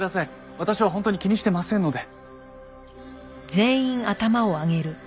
私は本当に気にしてませんので。